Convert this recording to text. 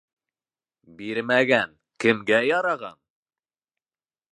Бирмәгән кемгә яраған?